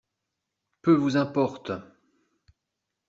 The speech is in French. Peu vous importe!